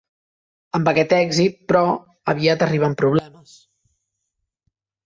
Amb aquest èxit, però, aviat arriben problemes.